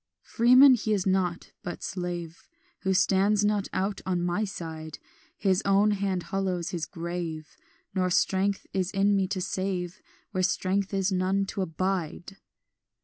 "Freeman he is not, but slave, Who stands not out on my side; His own hand hollows his grave, Nor strength is in me to save Where strength is none to abide.